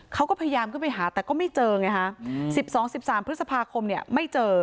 เขาก็พยายามขึ้นไปหาแต่ก็ไม่เจอไงฮะ๑๒๑๓พฤษภาคมเนี่ยไม่เจอ